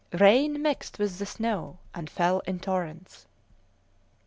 Rain mixed with the snow and fell in torrents.